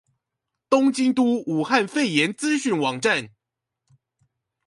東京都武漢肺炎資訊網站